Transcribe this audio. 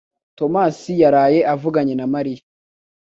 Tomasi yaraye avuganye na Mariya.